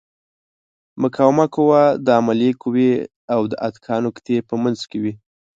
مقاومه قوه د عاملې قوې او د اتکا نقطې په منځ کې وي.